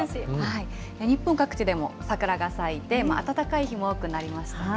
日本各地でも桜が咲いて、暖かい日も多くなりましたね。